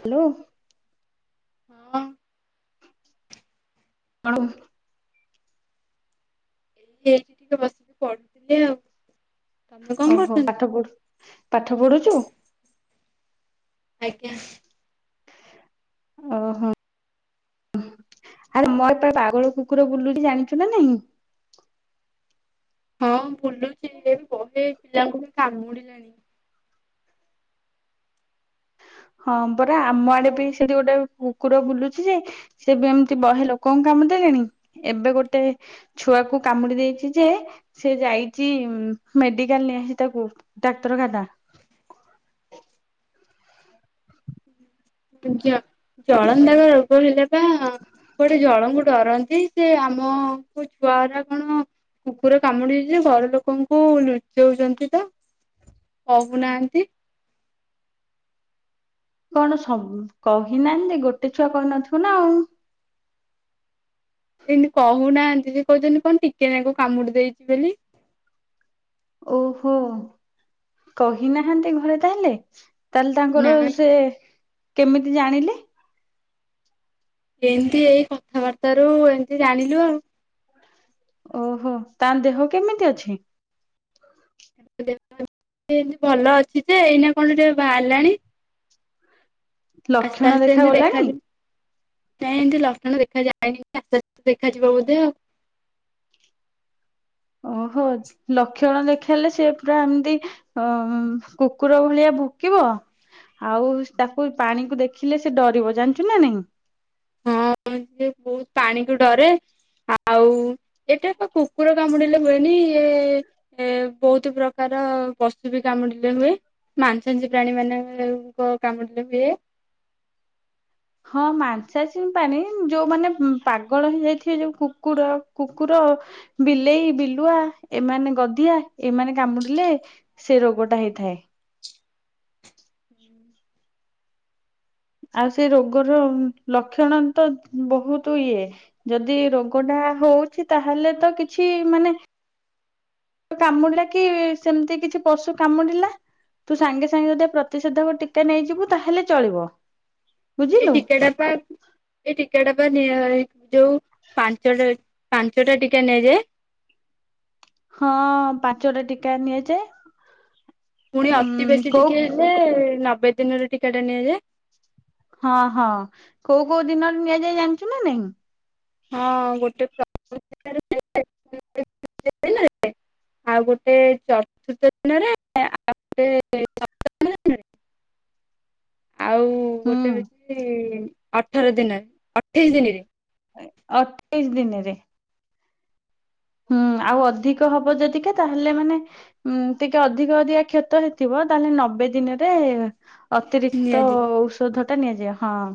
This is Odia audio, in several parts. ହ୍ୟାଲୋ। ହଁ। ଆଣ ହେଇଠି ଟିକେ ବସିକି ପଢୁଥିଲେ ଆଉ। ତମେ କଣ ଓହୋ କରୁଛନ୍ତି? ପାଠ ପଢୁ ପାଠ ପଢୁଚୁ। ଆଜ୍ଞା। ଓହୋ। ଆରେ ମୋର ତ ପାଗଳ କୁକୁର ବୁଲୁଚି ଜାଣିଚୁ ନା ନାହିଁ। ହଁ ବୁଲୁଛି ଏ ବହେ ପିଲାଙ୍କୁ ବି କାମୁଡିଲାଣି। ହଁ ପରା ଆମ ଆଡେ ବି ସେଠି ଗୋଟେ କୁକୁର ବୁଲୁଛି ଯେ ସେ ବି ଏମିତି ବହେ ଲୋକଙ୍କ କାମୁଡି ଦେଲାଣି, ଏବେ ଗୋଟେ ଛୁଆକୁ କାମୁଡି ଦେଇଛି ଯେ ସିଏ ଯାଇଚି ଉଁ, ମେଡିକାଲ୍ ନିଆହେଇ ତାକୁ ଡାକ୍ତରଖାନା। ଜ- ଜଳାନ୍ତକ ରୋଗ ହେଲେ ବା କୁଆଡେ ଜଳଙ୍କୁ ଡରନ୍ତି ସେ ଆମ କୁ ଛୁଆ ରା କଣ କୁକୁର କାମୁଡିଛି ଘର ଲୋକଙ୍କୁ ଲୁଚଉଚନ୍ତି ତ କହୁନାହାନ୍ତି। କଣ ସ- ଉ-କହିନାହାନ୍ତି ଯେ ଗୋଟେ ଛୁଆ କହିନଥିବ ନା ଆଉ। ଏମିତି କହୁନାହାନ୍ତି ସେ କହୁଛନ୍ତି କଣ ଟିକେ ନାକୁ କାମୁଡି ଦେଇଛି ବୋଲି। ଓହୋ! କହିନାହାନ୍ତି ଘରେ ତାହେଲେ। ତାହେଲେ ତାଙ୍କର ନାଇଁ ସେ କେମିତି ଜାଣିଲେ? ଏମିତି ଏଇ କଥାବାର୍ତ୍ତା ରୁ ଏମତି ଜାଣିଲୁ ଆଉ। ଓହୋ! ତା ଦେହ କେମିତି ଅଛି? [inaudible] ଏମତି ଭଲ ଅଛି ଯେ ଏଇନା କଣ ଯେ ବାହାରିଲାଣି।। ଆସ୍ତେ ଲକ୍ଷଣ ଆସ୍ତେ ଯେମିତି ଦେଖାଗଲାଣି? ଦେଖାଯିବ। ନାଇଁ ଏମିତି ଲକ୍ଷଣ ଦେଖାଯାଏନି, [unintelligible] ଆସ୍ତେ ଆସ୍ତେ ଦେଖାଯିବ ବୋଧେ ଆଉ। ଓହୋ, ଚ ଲକ୍ଷଣ ଦେଖେଇଲେ ସିଏ ପୁରା ଏମିତି ଅ, ଉଁ, କୁକୁର ଭଳିଆ ଭୁକିବ। ଆଉ ତାକୁ ପାଣିକୁ ଦେଖିଲେ ସେ ଡରିବ ଜାଣିଛୁ ନା ନାହିଁ? ହଁ ସେ ବହୁତ ପାଣି କୁ ଡରେ। ଆଉ ଏଟା ତ କୁକୁର କାମୁଡିଲେ ହୁଏନି, ଇଏ ଏ ବହୁତ ପ୍ରକାର ବସ୍ତୁ ବି କାମୁଡିଲେ ହୁଏ। ମାଂସାଶୀ ପ୍ରାଣୀ ମାନଙ୍କ କାମୁଡ଼ିଲେ ହୁଏ। ହଁ ମାଂସାଶୀ ପ୍ରାଣୀ ଯୋଉମାନେ ଉଁ, ପାଗଳ ହେଇଯାଇଥିବେ ଯୋଉ କୁକୁଡ କୁକୁର। ବିଲେଇ ବିଲୁଆ ଏମାନେ ଗଧିଆ ଏମାନେ କାମୁଡିଲେ ସେ ରୋଗଟା ହେଇଥାଏ। ଆଉ ସେଇ ରୋଗର ଲକ୍ଷଣ ତ ବହୁତୁ ଇଏ। ଯଦି ରୋଗ ଟା ହଉଛି ତାହେଲେ ତ କିଛି ମାନେ କାମୁଡିଲା କି ସେମିତି କିଛି ପଶୁ କାମୁଡିଲା। ତୁ ସାଙ୍ଗେ ସାଙ୍ଗେ ଯଦି ପ୍ରତିଷେଧକ ଟିକା ନେଇଯିବୁ ତାହେଲେ ଚଳିବ। ଏ ବୁଝିଲୁ ଟିକାଟା ପ୍ରାୟ ଏଇ ଟିକା ଟା ତ ନିଆ ଯୋଉ ପାଞ୍ଚଟା ପାଞ୍ଚଟା ଟିକା ନିଆଯାଏ? ହଁ ପାଞ୍ଚଟା ଟିକା ନିଆଯାଏ। ପୁଣି ଅତି ଉଁ ବେଶୀ କୋଉ ଟିକେ ହେଲେ ନବେ ଦିନରେ ଟିକା ଟା ନିଆଯାଏ। ହଁ, ହଁ କୋଉ କୋଉ ଦିନରେ ନିଆଯାଏ ଜାଣିଛୁ ନା ନାହି? ହଁ ଗୋଟେ [inaudible] ଆଉ ଗୋଟେ ଚତୁର୍ଥ ଦିନରେ, ଆଉ ଗୋଟେ ଚତୁର୍ଥ ଦିନରେ ହୁଁ। ଆଉ ଗୋଟେ ହୁଁ ହଉଛି ଅଠର ଦିନ, ଅଠେଇଶି ଦିନରେ। ଏ ଅଠେଇଶ ଦିନରେ। ହୁଁ, ଆଉ ଅଧିକ ହବ ଯଦିକ ତାହେଲେ ମାନେ ଉଁ, ଟିକେ ଅଧିକ ଅଧିକା କ୍ଷତ ହେଇଥିବ ତାହେଲେ ନବେ ଦିନରେ। ଅତିରିକ୍ତ ନିଆଯିବ ଔଷଧ ଟା ନିଆଯାଏ ହଁ।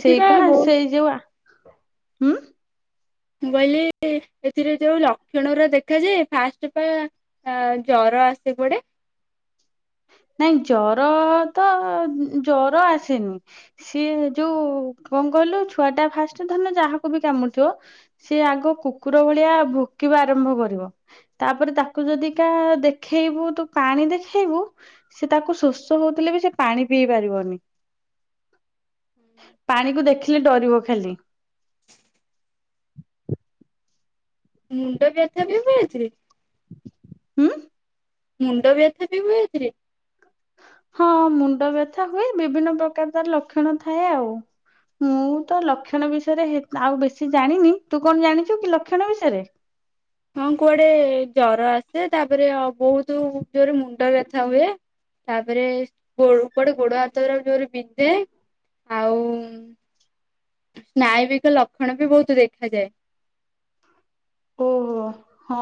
ଏଥିରେ ସେଇପା ବହୁ ମୁଁ ସେଇ ଯଉ ଆ ଉଁ ମୁଁ କହିଲି ଏଥିରେ ଯୋଉ ଲକ୍ଷଣ ଗୁରା ଦେଖାଯାଏ ଫାଷ୍ଟ ପା ଆ ଜର ଆସେ କୁଆଡେ? ନାଇଁ ଜର ତ ଜର ଆସେନି। ସିଏ ଯୋଉ କଣ କହିଲୁ ଛୁଆ ଟା ଫାଷ୍ଟ ଧରିନିଅ ଯାହାକୁ ବି କାମୁଡିଥିବ ସିଏ ଆଗ କୁକୁର ଭଳିଆ ଭୁକିବା ଆରମ୍ଭ କରିବ। ତାପରେ ତାକୁ ଯଦି କା ଦେଖେଇବୁ ତୁ ପାଣି ଦେଖେଇବୁ ସିଏ ତାକୁ ଶୋଷ ହଉଥିଲେ ବି ସେ ପାଣି ପିଇ ପାରିବନି। ପାଣିକୁ ଦେଖିଲେ ଡରିବ ଖାଲି। ମୁଣ୍ଡ ବ୍ୟଥା ବି ହୁଏ ଏଥିରେ? ହୁଁ? ମୁଣ୍ଡ ବ୍ୟଥା ବି ହୁଏ ଏଥିରେ? ହଁ ମୁଣ୍ଡ ବ୍ୟଥା ହୁଏ, ବିଭିନ୍ନ ପ୍ରକାର ତାର ଲକ୍ଷଣ ଥାଏ ଆଉ। ମୁଁ ତ ଲକ୍ଷଣ ବିଷୟରେ ହେ ଆଉ ବେଶୀ ଜାଣିନି। ତୁ କଣ ଜାଣିଚୁ କି ଲକ୍ଷଣ ବିଷୟରେ? ହଁ କୁଆଡେ ଜର ଆସେ, ତାପରେ ବହୁତ ଜୋର ମୁ ମୁଣ୍ଡ ବ୍ୟଥା ହୁଏ। ତାପରେ କୁଆଡେ ଗୋଡ ହାତଗୁରା ଯୋରେ ବିନ୍ଧେ। ଆଉ [inaudible] ସ୍ନାୟବିକ ଲକ୍ଷଣ ବି ବହୁତ ଦେଖାଯାଏ। ଓ ହଁ।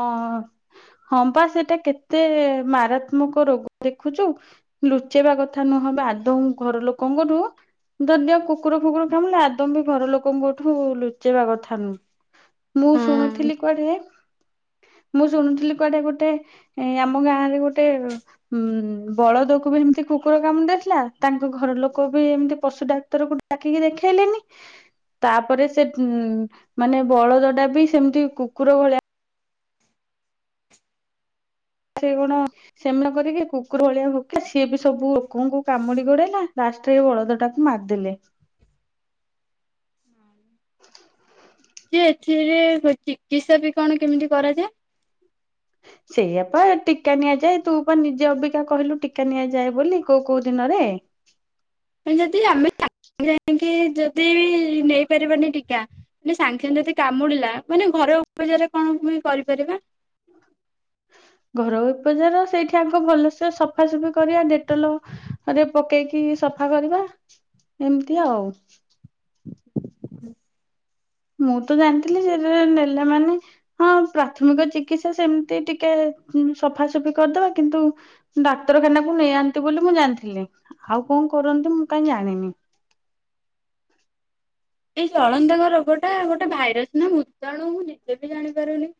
ହଁ ପା ସେଟା କେତେ ମାରାତ୍ମକ ରୋଗ ଦେଖୁଚୁ। ଲୁଚେଇବା କଥା ନୁହଁବା ଆଦୌ ଘର ଲୋକଙ୍କ ଠୁ। ଯଦି ଓ କୁକୁର ଫୁକୁର କାମୁଡିଲା ଆଦୌ ବି ଘର ଲୋକଙ୍କ ଠୁ ଲୁଚେଇବା କଥା ନୁହଁ। ମୁଁ ହଁ ଶୁଣୁଥିଲି କୁଆଡେ ମୁଁ ଶୁଣୁଥିଲି କୁଆଡେ ଗୋଟେ। ଏ ଆମ ଗାଁ ରେ ଗୋଟେ ଉଁ ବଳଦକୁ ବି ଏମିତି କୁକୁର କାମୁଡି ଦେଇଥିଲା ତାଙ୍କ ଘର ଲୋକ ବି ଏମତି ପଶୁ ଡାକ୍ତର କୁ ଡାକିକି ଦେଖେଇଲେନି। ତାପରେ ସେ ମାନେ ବଳଦ ଟା ବି ସେମତି କୁକୁର ଭଳିଆ ସେ କଣ [unintelligible] କରିକି କୁକୁର ଭଳିଆ ଭୋକେ ସିଏ ବି ସବୁ ଲୋକଙ୍କୁ କାମୁଡି ଗୋଡେଇଲା ଲାଷ୍ଟ ହଳଦ ଟାକୁ ମାରିଦେଲେ। କି ଏଥିରେ ଚିକିତ୍ସା ବି କଣ କେମିତି କରାଯାଏ? ସେଇଆ ପା ଟୀକା ନିଆଯାଏ। ତୁ ପା ନିଜେ ଅବିକା କହିଲୁ ଟୀକା ନିଆଯାଏ ବୋଲି କୋଉ କୋଉ ଦିନରେ। ଯଦି ଆମେ [unintelligible] ଯାଇକି ଯଦି ନେଇପାରିବନି ଟୀକା ମାନେ ସାଙ୍ଗେ ସାଙ୍ଗେ ଯଦି କାମୁଡିଲା ମାନେ ଘର ଉପଚାରରେ କଣ ବି କରିପାରିବା? ଘରଇ ଉପଚାର ସେଇଠି ଆଗ ଭଲସେ ସଫାସଫି କରିବା ଡେଟଲ ରେ ପକେଇକି ସଫା କରିବା ଏମତି ଆଉ। [inaudible] ମୁଁ ତ ଜାଣିଥିଲି ସେରା ନେଲା ମାନେ ହଁ ପ୍ରାଥମିକ ଚିକିତ୍ସା ସେମତି ଟିକେ ସଫାସଫି କରିଦବା, କିନ୍ତୁ ଡାକ୍ତରଖାନା କୁ ନେଇଆନ୍ତି ବୋଲି ମୁଁ ଜାଣିଥିଲି। ଆଉ କଣ କରନ୍ତି ମୁଁ କାଇଁ ଜାଣିନି। ଏଇ ଜଳନ୍ତାଙ୍କ ରୋଗ ଟା ଗୋଟେ ଭାଇରସ୍ ନା ଭୂତାଣୁ ମୁ ନିଜେ ବି ଜାଣିପାରୁନି।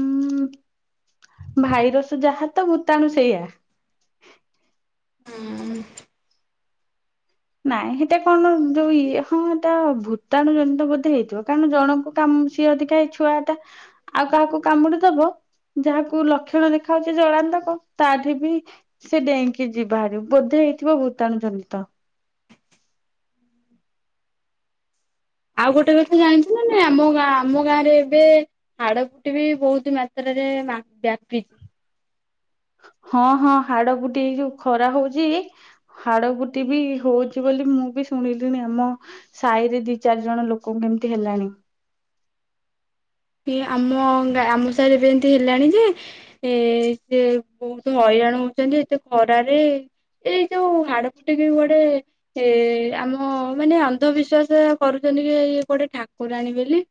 ଉଁ ଭାଇରସ ଯାହା ତ ଭୂତାଣୁ ସେଇଆ। ହଁ ନାଇଁ ହେଟା କଣ ଯୋଉ ଇଏ ହଁ ହେଟା ଭୂତାଣୁ ଜନିତ ବୋଧେ ହେଇଥିବ, କାରଣ ଜଣକୁ [unintelligible] ଛୁଆ ଟା ଆଉ କାହାକୁ କାମୁଡି ଦବ ଯାହାକୁ ଲକ୍ଷଣ ଦେଖାଯାଉଚି ଜଳାନ୍ତକ ତାଠି ବି ସେ ଡ଼େଇଁକି ଯିବାହାରି ବୋଧେ ହେଇଥିବ ଭୂତାଣୁ ଜନିତ। ଆଉ ଗୋଟେ କଥା ଜାଣିଛୁ ନାଇଁ ଆମ ଗାଁ ଆମ ଗାଁ ରେ ଏବେ ହାଡ଼ ଫୁଟ ବି ବହୁତ ମାତ୍ରାରେ ବ୍ୟାପିଛି। ହଁ ହଁ ହାଡ଼ ଫୁଟି ଏ ଯୋଉ ଖରା ହୋଉଛି ହାଡ଼ ଫୁଟି ବି ହୋଉଛି ବୋଲି ମୁଁ ବି ଶୁଣିଲିଣି ଆମ ସାହି ରେ ଦି ଚାରି ଜଣ ଲୋକଙ୍କୁ ଏମିତି ହେଲାଣି। ପି ଆମ ଆମ ସାହିରେ ଏବେ ଏମିତି ହେଲାଣି ଯେ ଏ ସେ ବହୁତ ହଇରାଣ ହୋଉଛନ୍ତି ଏତେ ଖରାରେ ଏଇ ଯୋଉ ହାଡ଼ ଫୁଟିକି ଗଡ଼େ ଏ ଆମ ମାନେ ଅନ୍ଧବିଶ୍ଵାସ କରୁଛନ୍ତି କି ଇଏ କୁଆଡ଼େ ଠାକୁରାଣୀ ବୋଲି।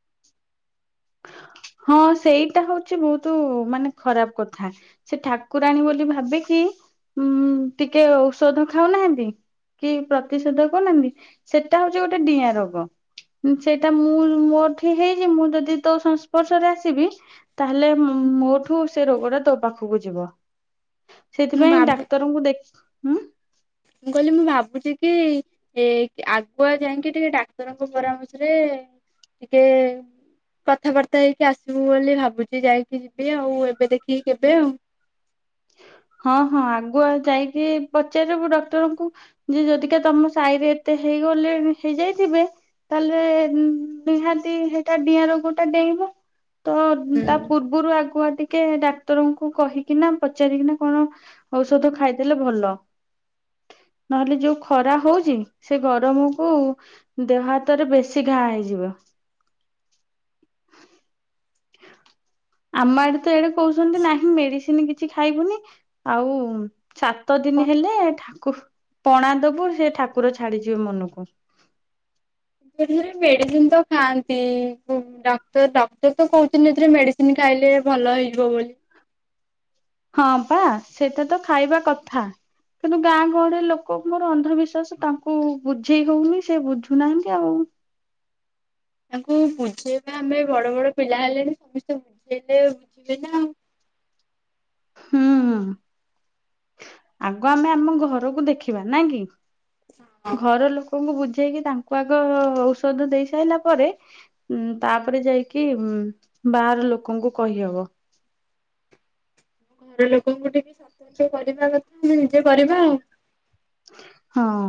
ହଁ ସେଇଟା ହୋଉଛି ବହୁତ ମାନେ ଖରାପ କଥା। ସେ ଠାକୁରାଣୀ ବୋଲି ଭାବିକି ଉଁ ଟିକେ ଔଷଧ ଖାଉନାହାନ୍ତି କି ପ୍ରତିଷେଧ କରୁନାହାନ୍ତି ସେଟା ହୋଉଛି ଗୋଟେ ଡ଼ିଆଁ ରୋଗ। ସେଇଟା ମୁଁ ମୋ ଠି ହେଇଛି ମୁଁ ଯଦି ତୋ ସଂସ୍ପର୍ଶ ରେ ଆସିବି ତାହେଲେ ମୋଠୁ ସେ ରୋଗ ଟା ତୋ ପାଖକୁ ଯିବ। ମୁଁ ସେଥିପାଇଁ ଭାବୁ ଡ଼ାକ୍ତରଙ୍କୁ ଦେଖ ହୁଁ ମୁଁ କହିଲି ମୁଁ ଭାବୁଛି କି ଏ ଆଗୁଆ ଯାଇଙ୍କି ଟିକେ ଡ଼ାକ୍ତରଙ୍କ ପରାମର୍ଶରେ ଟିକେ କଥାବାର୍ତ୍ତା ହେଇକି ଆସିବୁ ବୋଲି ଭାବୁଛି ଯାଇକି ଯିବି ଆଉ ଏବେ ଦେଖିକି କେବେ ଆଉ। ହଁ ହଁ ଆଗୁଆ ଯାଇକି ପଚାରିବୁ ଡ଼କ୍ଟରଙ୍କୁ। ଯେ ଯଦିକା ତମ ସାହିରେ ଏତେ ହେଇଗଲେଣି ହେଇଯାଇଥିବେ ତାହେଲେ ନିହାତି ହେଟା ଡ଼ିଆଁ ରୋଗଟା ଡ଼େଇଁବ। ତ ତା ପୂର୍ବରୁ ଆଗୁଆ ଟିକେ ଡ଼ାକ୍ତରଙ୍କୁ କହିକିନା ପଚାରିକିନା କଣ ଔଷଧ ଖାଇଦେଲେ ଭଲ। ନହେଲେ ଯୋଉ ଖରା ହୋଉଛି, ସେ ଗରମକୁ ଦେହ ହାତରେ ବେଶୀ ଘା ହେଇଯିବ। ହ ଆମ ଆଡ଼େ ତ ଏଡ଼େ କହୁଛନ୍ତି ନାହିଁ ମେଡ଼ିସିନ କିଛି ଖାଇବୁନି ଆଉ ଛାତ ଦିନ ହୁଁ ହେଲେ ଠାକୁ ପଣା ଦବୁ ସେ ଠାକୁର ଛାଡ଼ିଯିବେ ମନକୁ। ହେଲେ ମେଡ଼ିସିନ ତ ଖାଆନ୍ତି ଡ଼କ୍ତର ଡ଼କ୍ଟର ତ କହୁଥିଲେ ଏଥିରେ ମେଡ଼ିସିନ [unintelligible] ଖାଇଲେ ଭଲ ହେଇଯିବ ବୋଲି। ହଁ ପା ସେଇଟା ତ ଖାଇବା କଥା। କିନ୍ତୁ ଗାଁ ଗହଳିରେ ଲୋକ ମୋର ଅନ୍ଧବିଶ୍ଵାସ ତାଙ୍କୁ ବୁଝେଇ ହଉନି ସେ ବୁଝୁନାହାଁନ୍ତି ଆଉ। ତାଙ୍କୁ ବୁଝେଇବା ଆମେ ବଡ଼ ବଡ଼ ପିଲା ହେଲେଣି ସମସ୍ତେ ବୁଝେଇଲେ ବୁଝିବେ ନା ଆଉ। ହୁଁ ଆଗ ଆମେ ଆମ ଘରକୁ ଦେଖିବା ନାଁ କି? ଆଉ। ଘର ହଁ ଲୋକଙ୍କୁ ବୁଝେଇକି ତାଙ୍କୁ ଆଗ ଔଷଧ ଦେଇ ସାଇଲା ପରେ ଉଁ ତାପରେ ଯାଇକି ବାହାର ଲୋକଙ୍କୁ କହିହବ। ଘର ଲୋକଙ୍କୁ ଟିକେ ସତର୍କ କରିବା କଥା ଆମେ ନିଜେ କରିବା ଆଉ। ହଁ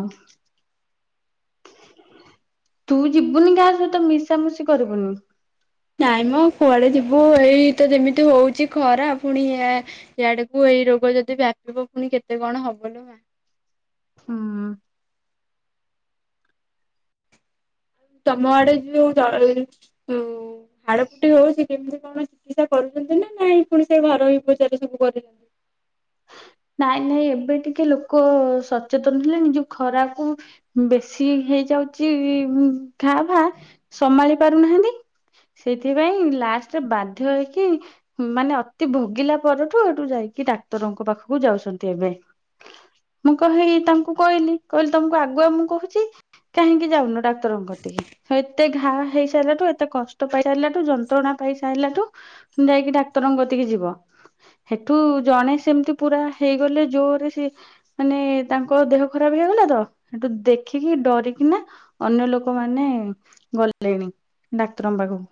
ତୁ ଯିବୁନି କାହା ସହିତ ମିଶାମଶି କରିବୁନି। ନାଇଁ ମ କୁଆଡ଼େ ଯିବୁ ଏଇ ତ ଯେମିତି ହୋଉଛି। ଖରା ପୁଣି ଇଆଡ଼କୁ ଏଇ ରୋଗ ଯଦି ବ୍ୟାପିବ ପୁଣି କେତେ କଣ ହବ ଲୋ ମା। ହଁ ତମ ଆଡ଼େ ଯୋଉ ଦଳ ହାଡ଼ ଫୁଟି ହୋଉଛି କେମିତି କଣ? ଚିକିତ୍ସା କରୁଛନ୍ତି ନା ନାଇଁ ପୁଣି ସେଇ ଘରୋଇ ଉପଚାର ସବୁ କରୁ ନାଇଁ ନାଇଁ ଏବେ ଟିକେ ଲୋକ ସଚେତନ ହେଲେ ନିଜ ଖରାକୁ ବେଶୀ ହେଇଯାଉଛି ଘା ଫା ସମାଳି ପାରୁନାହାନ୍ତି। ସେଥିପାଇଁ ଲାଷ୍ଟରେ ବାଧ୍ୟ ହେଇକି ମାନେ ଅତି ଭୋଗିଲା ପରଠୁ ଏଠୁ ଯାଇକି ଡାକ୍ତରଙ୍କ ପାଖକୁ ଯାଉଛନ୍ତି ଏବେ। ମୁଁ କହି ତାଙ୍କୁ କହିଲି କହିଲି ତମକୁ ଆଗୁଆ ମୁଁ କହୁଛି। କାହିଁକି ଯାଉନୁ ଡକ୍ତର କତିକି? ହେତେ ଘା ହେଇ ସାଇଲାଠୁ ଏତେ କଷ୍ଟ ପାଇ ସାଇଲାଠୁ ଯନ୍ତ୍ରଣା ପାଇ ସାଇଲାଠୁ ଯାଇକି ଡାକ୍ତରଙ୍କ କତିକି ଯିବ ହେଠୁ ଜଣେ ସେମିତି ପୁରା ହେଇଗଲେ ଜୋରେ ସେ ମାନେ ତାଙ୍କ ଦେହ ଖରାପ ହେଇଗଲା ତ ହେଠୁ ଦେଖିକି ଡରିକି ନା ଅନ୍ୟ ଲୋକମାନେ ଗଲେ ଡାକ୍ତରଙ୍କ ପାଖକୁ।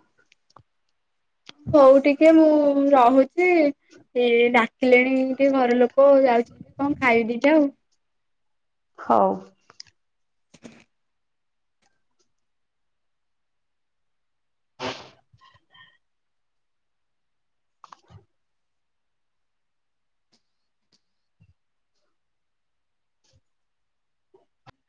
ହଉ ଟିକେ ମୁଁ ରହୁଛି। ଚି ସେ ଡାକିଲେଣି ଟିକେ ଘର ଲୋକ ଯାଉଛି କଣ ଖାଇ ଦିଟା ଆଉ। ହଉ।